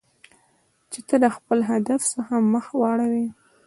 چې ته د خپل هدف څخه مخ واړوی.